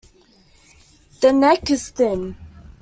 The neck is thin.